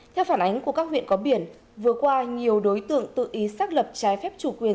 theo phản ánh của các huyện có biển vừa qua nhiều đối tượng tự ý xác lập trái phép chủ quyền